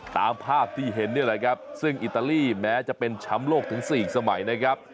ตามภาพที่เห็นนี่แหละครับซึ่งอิตาลีแม้จะเป็นแชมป์โลกถึง๔สมัยนะครับ